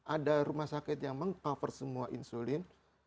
ada rumah sakit yang meng cover semua insulin